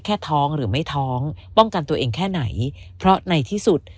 ท้องหรือไม่ท้องป้องกันตัวเองแค่ไหนเพราะในที่สุด